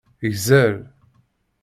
Gzer.